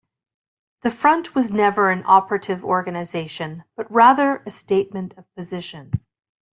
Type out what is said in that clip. The Front was never an operative organization, but rather a statement of position.